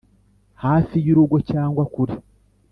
hafi y'urugo cyangwa kure,